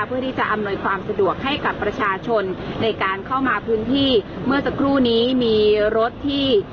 เพื่อที่จะอำนวยความสะดวกให้กับประชาชนในการเข้ามาพื้นที่เมื่อสักครู่นี้มีรถที่